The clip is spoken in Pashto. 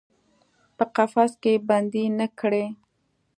په قفس کې بندۍ نه کړي